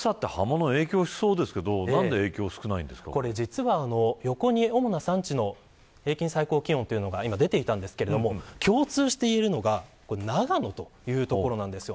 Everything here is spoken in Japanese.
暑さって葉物に影響しそうですが実は主な産地の平均最高気温が出ていたんですが共通しているのが長野というところなんです。